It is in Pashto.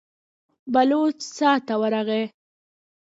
بلوڅ څا ته ورغی.